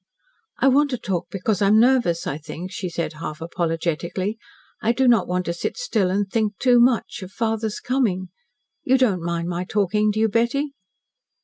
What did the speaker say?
"I want to talk because I'm nervous, I think," she said half apologetically. "I do not want to sit still and think too much of father's coming. You don't mind my talking, do you, Betty?"